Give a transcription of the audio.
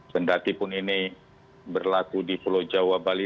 pendatipun ini berlaku di pulau jawa bali